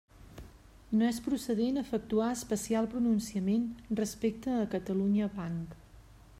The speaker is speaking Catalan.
No és procedent efectuar especial pronunciament respecte a Catalunya Banc.